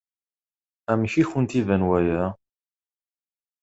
Amek i kent-iban waya?